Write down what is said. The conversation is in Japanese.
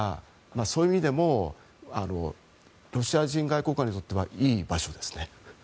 そういう意味でもロシア人外交官にとってはいい場所ですね。